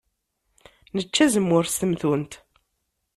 Nečča azemmur s temtunt.